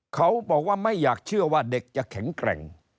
เขาบอกว่าไม่อยากเชื่อว่าเด็กจะแข็งแกร่ง